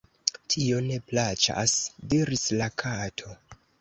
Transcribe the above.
"Tio ne_ plaĉas," diris la Kato.